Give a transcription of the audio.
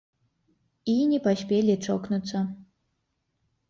І не паспелі чокнуцца.